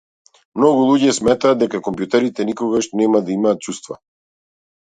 Многу луѓе сметаат дека компјутерите никогаш нема да имаат чувства.